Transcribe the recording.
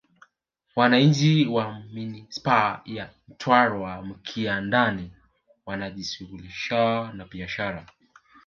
Wananchi wa Manispaa ya Mtwara Mikindani wanajishughulisha na biashara